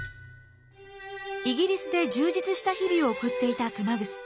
イギリスで充実した日々を送っていた熊楠。